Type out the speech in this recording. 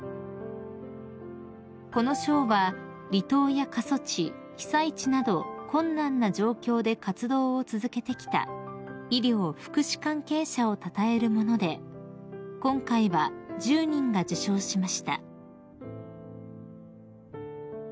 ［この賞は離島や過疎地被災地など困難な状況で活動を続けてきた医療・福祉関係者をたたえるもので今回は１０人が受賞しました］